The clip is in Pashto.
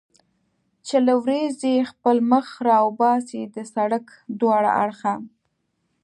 چې له ورېځې خپل مخ را وباسي، د سړک دواړه اړخه.